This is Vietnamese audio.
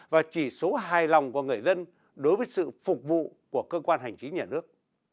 và chỉ số hài lòng của người dân đối với sự phục vụ của cơ quan hành chính nhà nước